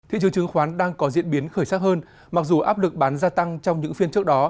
thị trường chứng khoán đang có diễn biến khởi sắc hơn mặc dù áp lực bán gia tăng trong những phiên trước đó